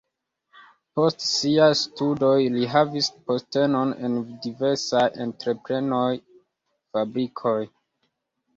Post siaj studoj li havis postenon en diversaj entreprenoj, fabrikoj.